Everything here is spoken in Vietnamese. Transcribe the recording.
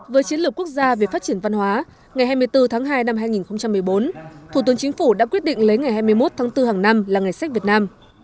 với chiến lược quốc gia về phát triển văn hóa ngày hai mươi bốn tháng hai năm hai nghìn một mươi bốn thủ tướng chính phủ đã quyết định lấy ngày hai mươi một tháng bốn hàng năm là ngày sách việt nam